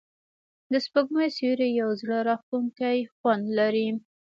د سپوږمۍ سیوری یو زړه راښکونکی خوند لري.